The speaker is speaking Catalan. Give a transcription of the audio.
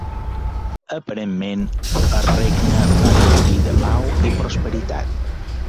Aparentment el regne va gaudir de pau i prosperitat.